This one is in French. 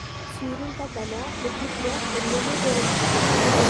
Sur un katana, la gouttière est nommée bohi.